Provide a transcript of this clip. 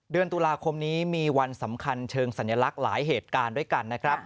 เดือนตุลาคมนี้มีวันสำคัญเชิงสัญลักษณ์หลายเหตุการณ์ด้วยกันนะครับ